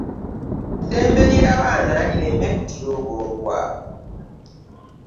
Eddembe ly'abaana lireme kutyoboolwa.